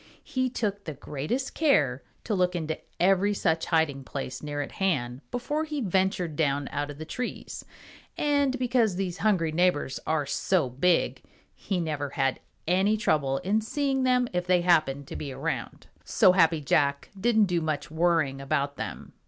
He took the greatest care to look into every such hiding place near at hand before he ventured down out of the trees, and because these hungry neighbors are so big, he never had any trouble in seeing them if they happened to be around. So Happy Jack didn't do much worrying about them.